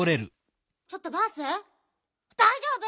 ちょっとバースだいじょうぶ？